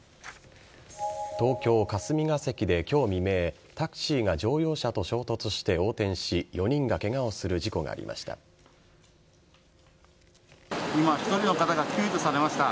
東京・霞が関で今日未明タクシーが乗用車と衝突して横転し４人がケガをする事故がありました。